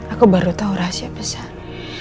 aku baru tahu rahasia besar